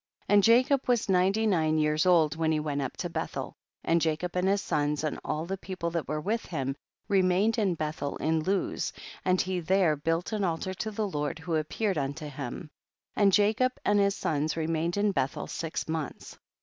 3. And Jacob was ninety nine years old when he went up to Bethel, and Jacob and his sons and all the people that were with him, remained in Bethel in Luz, and he there built an altar to the Lord who appeared unto him, and Jacob and his sons re mained in Bethel six months.